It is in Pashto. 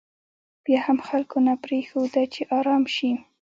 بیا هم خلکو نه پرېښوده چې ارام شي.